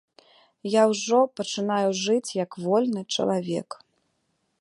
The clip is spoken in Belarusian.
Я ўжо пачынаю жыць як вольны чалавек.